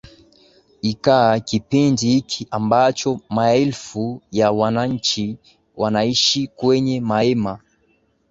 ika kipindi hiki ambacho maelfu ya wananchi wanaishi kwenye mahema